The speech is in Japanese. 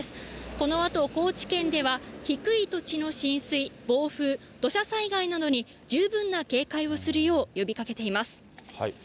このあと、高知県では低い土地の浸水、暴風、土砂災害などに十分な警戒をするよう呼びかけています。